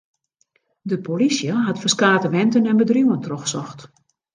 De polysje hat ferskate wenten en bedriuwen trochsocht.